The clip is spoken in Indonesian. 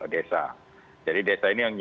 desa jadi desa ini yang